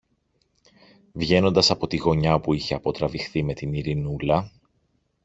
βγαίνοντας από τη γωνιά όπου είχε αποτραβηχθεί με την Ειρηνούλα.